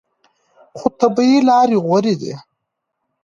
خو طبیعي لارې غوره دي.